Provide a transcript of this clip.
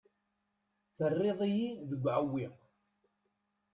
Terriḍ-iyi deg uɛewwiq.